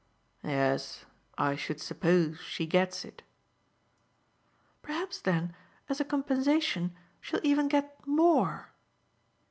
"Yes, I should suppose she gets it." "Perhaps then, as a compensation, she'll even get MORE